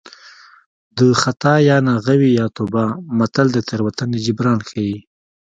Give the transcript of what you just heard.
د خطا یا ناغه وي یا توبه متل د تېروتنې جبران ښيي